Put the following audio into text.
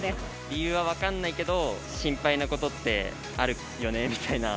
理由はわからないけど、心配なことってあるよねみたいな。